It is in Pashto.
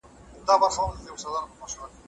د انارګل سرخي یې رنګ د کندهار نه لري